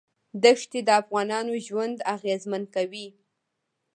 ښتې د افغانانو ژوند اغېزمن کوي.